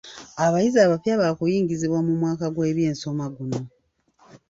Abayizi abapya baakuyingizibwa mu mwaka gw'ebyensoma guno.